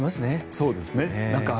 そうですね。